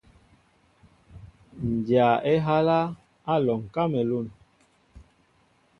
Ǹ dya á ehálā , Á alɔŋ kamelûn.